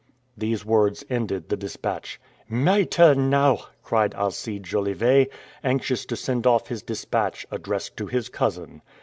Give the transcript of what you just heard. These words ended the dispatch. "My turn now," cried Alcide Jolivet, anxious to send off his dispatch, addressed to his cousin.